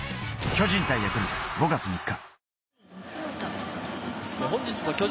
個人対ヤクルト、５月３日。